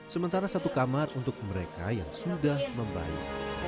sementara satu kamar untuk mereka yang sudah membaik